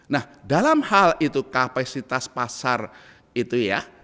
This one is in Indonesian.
nah dalam hal itu kapasitas pasar itu ya